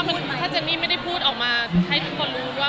อย่างที่มีแไทรมันแล้วบอกว่า